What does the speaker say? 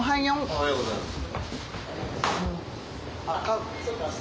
おはようございます。